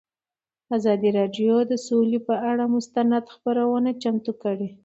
ازادي راډیو د سوله پر اړه مستند خپرونه چمتو کړې.